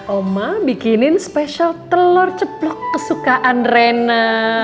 oma bikinin spesial telur ceplok kesukaan rena